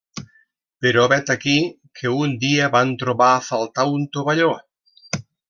Però vet aquí que un dia van trobar a faltar un tovalló.